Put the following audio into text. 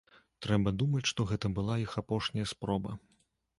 Трэба думаць, што гэта была іх апошняя спроба.